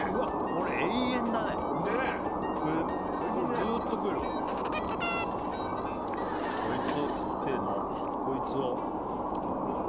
これずーっと食えるわこいつを食ってのこいつをいって